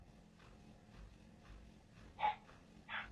Artículos recientes, en los que Zeman es coautor,